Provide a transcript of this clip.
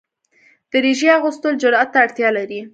دریشي اغوستل جرئت ته اړتیا لري.